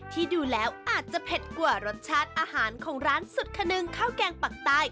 ที่ดูแล้วอาจจะเผ็ดกว่ารสชาติอาหารของร้านสุดขนึงข้าวแกงปักใต้